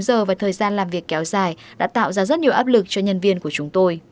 giờ và thời gian làm việc kéo dài đã tạo ra rất nhiều áp lực cho nhân viên của chúng tôi